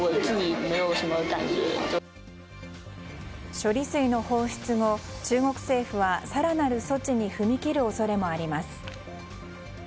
処理水の放出後、中国政府は更なる措置に踏み切る恐れもあります。